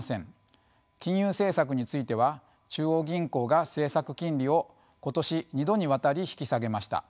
金融政策については中央銀行が政策金利を今年２度にわたり引き下げました。